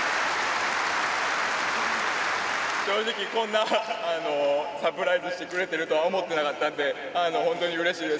正直こんなサプライズしてくれてるとは思ってなかったんで、本当にうれしいです。